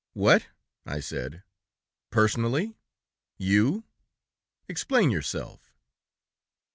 'What!' I said. 'Personally! You! Explain yourself!'